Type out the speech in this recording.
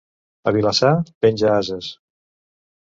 A Vilassar, penja-ases.